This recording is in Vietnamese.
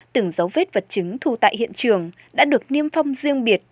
từng dấu vết vật chứng thu tại hiện trường đã được niêm phong riêng biệt